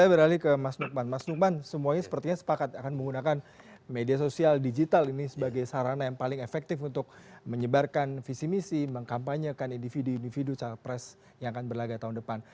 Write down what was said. saya beralih ke mas nukman mas nukman semuanya sepertinya sepakat akan menggunakan media sosial digital ini sebagai sarana yang paling efektif untuk menyebarkan visi misi mengkampanyekan individu individu capres yang akan berlagak tahun depan